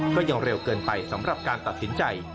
ก็ยังเร็วเกินไปสำหรับการตัดสินใจ